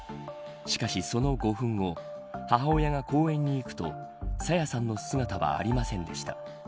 しかし、その５分後母親が公園に行くと朝芽さんの姿はありませんでした。